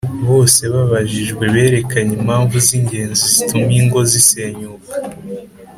bose babajijwe berekanye impamvu z’ingenzi zituma ingo zisenyuka.